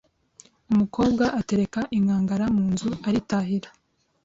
Umukobwa atereka inkangara mu nzu aritahira.